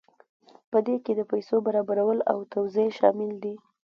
په دې کې د پیسو برابرول او توزیع شامل دي.